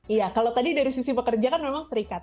iya kalau tadi dari sisi pekerja kan memang serikat